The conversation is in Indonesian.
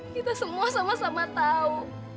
kita semua sama sama tahu